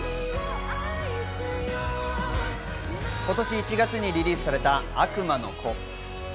今年１月にリリースされた『悪魔の子』。